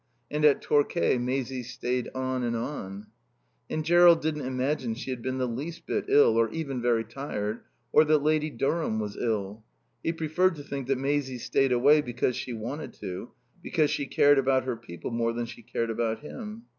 And at Torquay Maisie stayed on and on. And Jerrold didn't imagine she had been the least bit ill, or even very tired, or that Lady Durham was ill. He preferred to think that Maisie stayed away because she wanted to, because she cared about her people more than she cared about him.